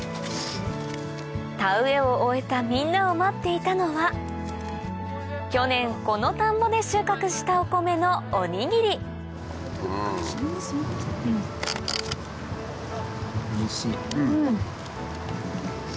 田植えを終えたみんなを待っていたのは去年この田んぼで収穫したお米のおにぎりおいしい。